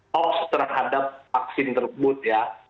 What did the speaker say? hoax terhadap vaksin terbun